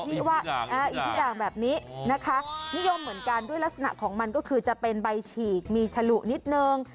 ว่าอีกทุกอย่างแบบนี้นะคะนิยมเหมือนกันด้วยลักษณะของมันก็คือจะเป็นใบฉีกมีฉลุนิดนึง